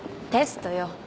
テストよ。